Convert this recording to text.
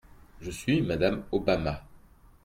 Je suis Mme Obama.